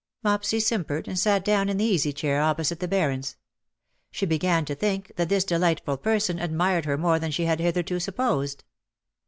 '' Mopsy simpered, and sat down in the easy chair opposite the Baron's. She began to think that this delightful person admired her more than she had hitherto supposed.